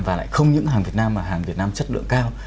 và lại không những hàng việt nam mà hàng việt nam chất lượng cao